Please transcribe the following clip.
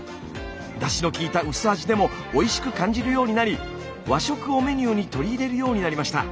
だしのきいた薄味でもおいしく感じるようになり和食をメニューに取り入れるようになりました。